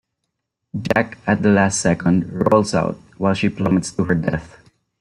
Jack, at the last second, rolls out, while she plummets to her death.